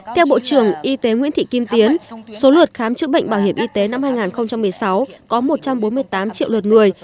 theo bộ trưởng y tế nguyễn thị kim tiến số lượt khám chữa bệnh bảo hiểm y tế năm hai nghìn một mươi sáu có một trăm bốn mươi tám triệu lượt người